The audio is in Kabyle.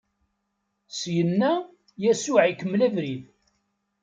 Syenna Yasuɛ ikemmel abrid.